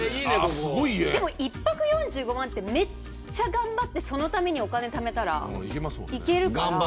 １泊４５万ってめっちゃ頑張ってそのためにお金をためたら行けるから。